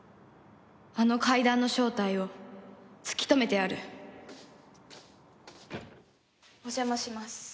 あの階段の正体を突き止めてやるお邪魔します。